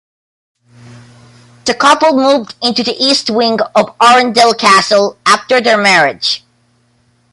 The couple moved into the East wing of Arundel Castle after their marriage.